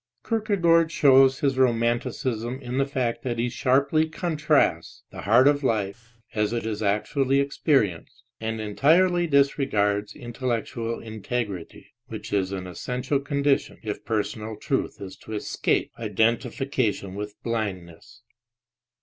Kierkegaard shows his romanticism in the fact that he sharply con trasts the heart with life as it is actually experienced and entirely disregards intellectual integrity, which is an essential condition, if personal truth is to escape identifi cation with blindness.